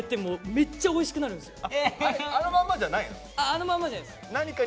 あのまんまじゃないです。